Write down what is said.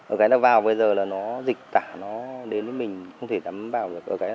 ở cái nào vào bây giờ là nó dịch tả nó đến với mình không thể dám vào được